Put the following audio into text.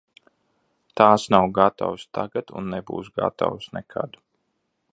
Tās nav gatavas tagad un nebūs gatavas nekad.